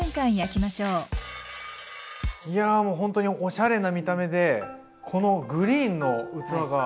いやもうほんとにおしゃれな見た目でこのグリーンの器が。